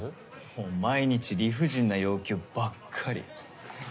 もう毎日理不尽な要求ばっかり。